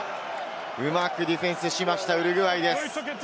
うまくディフェンスしました、ウルグアイです。